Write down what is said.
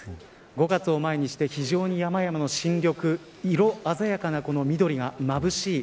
５月を前にして非常に山々の新緑色鮮やかな緑がまぶしい